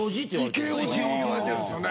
イケおじ言われてるんすよね。